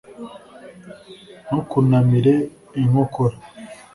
ntukunamire inkokora